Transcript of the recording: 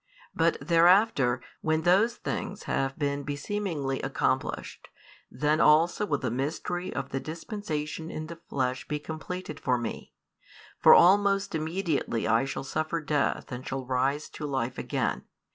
But thereafter, when those things shall have been be seemingly accomplished, then also will the mystery of the dispensation in the flesh be completed for Me. For almost immediately I shall suffer death and shall rise to life again.